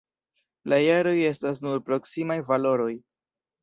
La jaroj estas nur proksimaj valoroj.